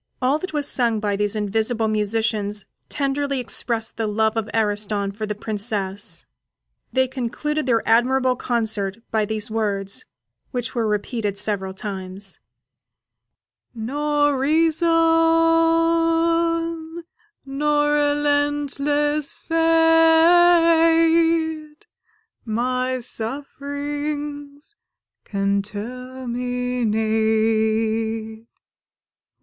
All that was sung by these invisible musicians tenderly expressed the love of Ariston for the Princess; they concluded their admirable concert by these words, which were repeated several times: Nor reason nor relentless Fate My sufferings can terminate!